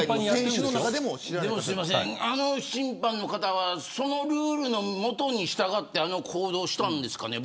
あの審判の方はそのルールのもとに従ってあの行動をしたんですかね。